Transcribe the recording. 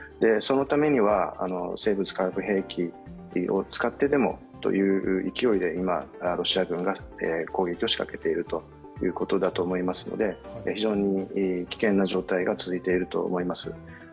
そのためには、生物・化学兵器を使ってでもという勢いで今、ロシア軍が攻撃をしかけているということだと思いますので非常に危険な状態が続いていると思います。